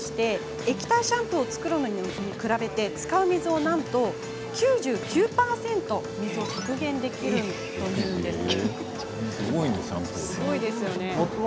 液体シャンプーを作るのに比べ使う水をなんと９９％削減できるといいます。